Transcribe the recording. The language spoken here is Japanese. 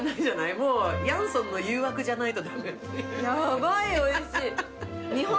發ヤンソンの誘惑じゃないと。